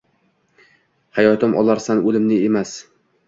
Hayotim olarsan, o‘limni emas.